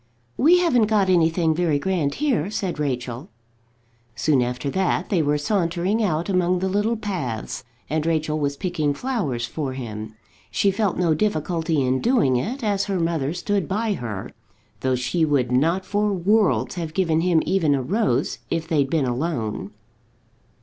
"We haven't got anything very grand here," said Rachel. Soon after that they were sauntering out among the little paths and Rachel was picking flowers for him. She felt no difficulty in doing it, as her mother stood by her, though she would not for worlds have given him even a rose if they'd been alone.